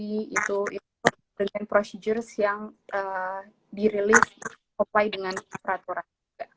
jadi itu adalah proses yang di release di apply dengan peraturan